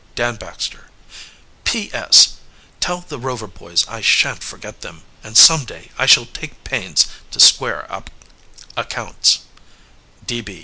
"DAN BAXTER "P. S. Tell the Rover boys I shan't forget them, and some day I shall take pains to square accounts.